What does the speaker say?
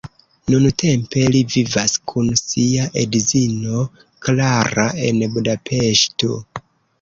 Nuntempe li vivas kun sia edzino Klara en Budapeŝto.